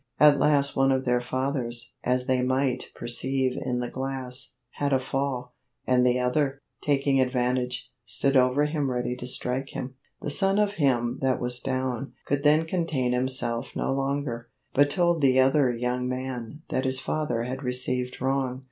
At last one of their Fathers, as they might perceive in the Glasse, had a fall, and the other, taking advantage, stood over him ready to strike him. The Sonne of him that was downe could then containe himselfe no longer, but told the other young man, that his Father had received wrong.